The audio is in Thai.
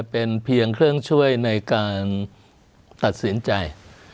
เป็นเพียงเครื่องช่วยในการตัดสินใจ